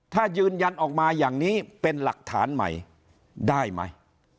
ถ้ายืนยันออกมาอย่างนี้เป็นหลักฐานใหม่ได้ไหม